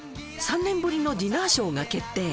３年ぶりのディナーショーが決定